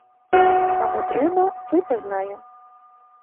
Каму трэба, той пазнае.